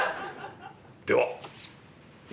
「では。